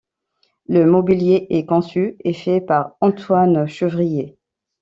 Le mobilier est conçu et fait par Antoine Chevrier.